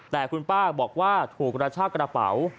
แต่คุณป้าบอกว่าถูกกระชากระเป๋า